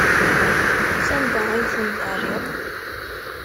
Sanda ay tent-terriḍ?